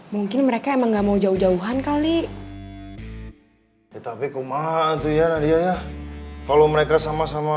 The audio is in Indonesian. mungkin mereka emang gak mau jauh jauhan kali tetapi kumah tuh ya nadia ya kalau mereka sama sama